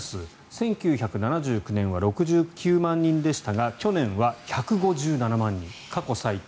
１９７９年は６９万人でしたが去年は１５７万人過去最多。